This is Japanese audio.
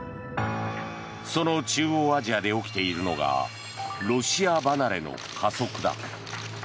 その中央アジアで起きているのがロシア離れの加速だ。